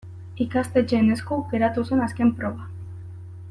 Ikastetxeen esku geratu zen azken proba.